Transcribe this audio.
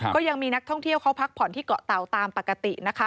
ก็ยังมีนักท่องเที่ยวเขาพักผ่อนที่เกาะเตาตามปกตินะคะ